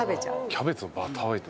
キャベツのバター炒め。